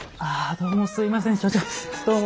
どうもすいません。